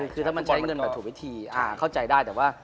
คือถ้ามันใช้เงินแบบถูกวิธีเข้าใจได้แต่ว่า